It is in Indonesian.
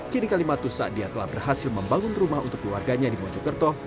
kini kalimantus sa'adiyah telah berhasil membangun rumah untuk keluarganya di mojokerto